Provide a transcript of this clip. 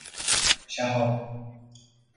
شهاب